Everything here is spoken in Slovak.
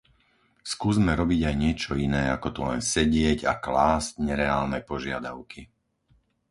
Skúsme robiť aj niečo iné ako tu len sedieť a klásť nereálne požiadavky.